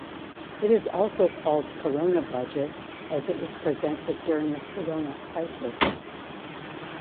It is also called Corona budget as it was presented during the Corona Crisis.